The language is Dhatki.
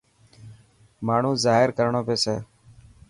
ماڻهو زاهر ڪرڻو پيسي.